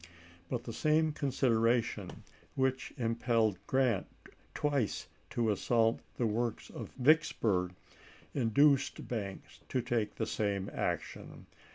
But the same consideration which impelled General Grant twice to assault the works of Vicks burg induced Banks to take the same action.